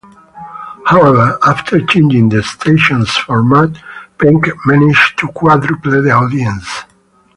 However, after changing the station's format Penk managed to quadruple the audience.